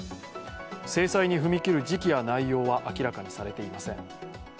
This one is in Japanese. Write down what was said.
制裁に踏み切る時期や内容は明らかにされていません。